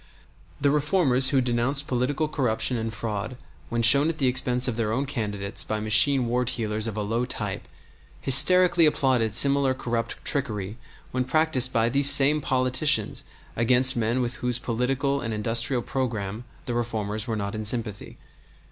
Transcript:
The reformers who denounced political corruption and fraud when shown at the expense of their own candidates by machine ward heelers of a low type hysterically applauded similar corrupt trickery when practiced by these same politicians against men with whose political and industrial programme the reformers were not in sympathy.